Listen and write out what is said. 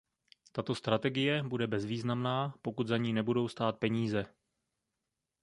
Tato strategie bude bezvýznamná, pokud za ní nebudou stát peníze.